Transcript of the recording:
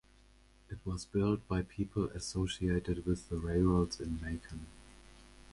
It was built by people associated with the railroads in Macon.